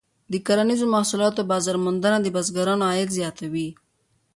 د کرنیزو محصولاتو بازار موندنه د بزګرانو عاید زیاتوي.